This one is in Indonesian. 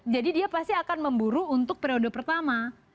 jadi dia pasti akan memburu untuk periode pertama